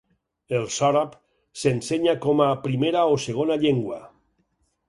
El sòrab s'ensenya com a primera o segona llengua.